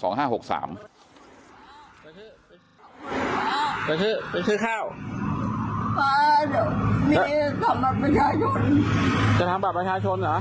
พาเดี๋ยวมีทางทำบาปประชาชนจะทำบาปประชาชนหรอ